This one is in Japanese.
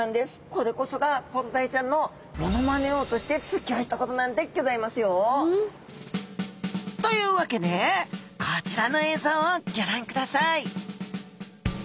これこそがコロダイちゃんのモノマネ王としてすギョいところなんでギョざいますよ。というわけでこちらの映像をギョ覧ください